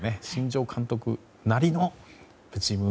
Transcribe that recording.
新庄監督なりの。